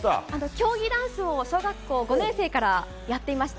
競技ダンスを小学校４年生からやっていました。